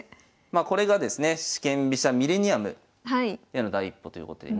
これがですね四間飛車ミレニアムへの第一歩ということで。